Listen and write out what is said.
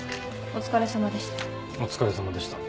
お疲れさまでした。